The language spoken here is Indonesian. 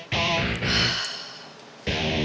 ke arah vvt jahat